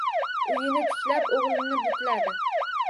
Uyini tiklab, og‘ilini butladi.